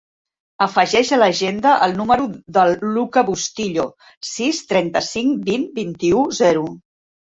Afegeix a l'agenda el número del Luka Bustillo: sis, trenta-cinc, vint, vint-i-u, zero.